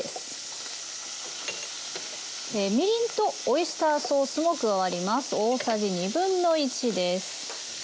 みりんとオイスターソースも加わります。